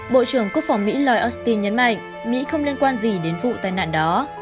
bộ trưởng quốc phòng mỹ lloyd austin nhấn mạnh mỹ không liên quan gì đến vụ tai nạn đó